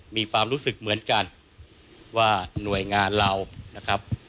มีความรู้สึกเหมือนกันว่าหน่วยงานเรานะครับ